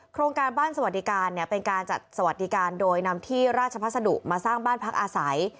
โครงการบ้านสวัสดิการเนี่ยเป็นการจัดสวัสดิการโดยนำที่ราชพัสดุมาสร้างบ้านพักอาศัย